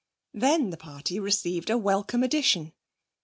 Then the party received a welcome addition.